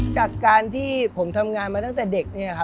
จากการที่ผมทำงานมาตั้งแต่เด็ก